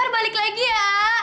balik lagi ya